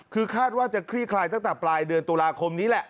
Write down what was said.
คือคาดว่าจะคลี่คลายตั้งแต่ปลายเดือนตุลาคมนี้แหละ